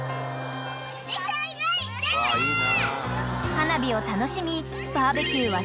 ［花火を楽しみ］